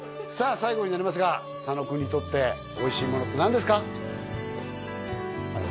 最後になりますが佐野君にとっておいしいものって何ですか？